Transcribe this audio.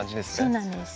そうなんです。